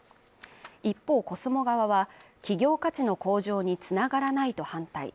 一方コスモ側は企業価値の向上に繋がらないと反対。